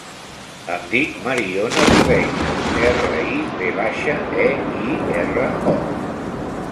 Em dic Mariona Riveiro: erra, i, ve baixa, e, i, erra, o.